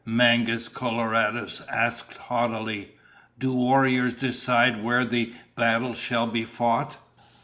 Mangus Coloradus asked haughtily, "Do warriors decide where the battle shall be fought?"